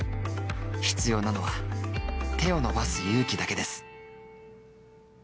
必要なのは手を伸ばす勇気だけです。